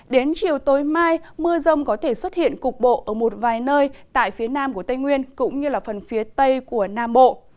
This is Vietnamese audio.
đến chiều tối mai mưa rông có thể xuất hiện cục bộ ở một vài nơi tại phía nam của tây nguyên cũng như phần phía tây của nam bộ